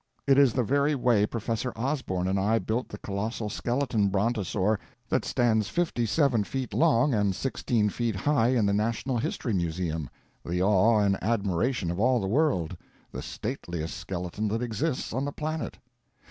It is the very way Professor Osborn and I built the colossal skeleton brontosaur that stands fifty seven feet long and sixteen feet high in the Natural History Museum, the awe and admiration of all the world, the stateliest skeleton that exists on the planet.